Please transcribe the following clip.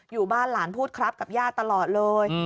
อยู่บ้านหลานพูดครับกับย่าตลอดเลย